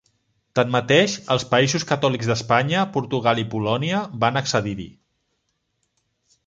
Tanmateix, els països catòlics d'Espanya, Portugal i Polònia van accedir-hi.